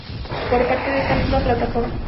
por parte de esta misma plataforma